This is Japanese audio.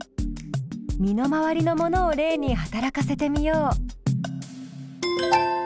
身の回りのものを例に働かせてみよう。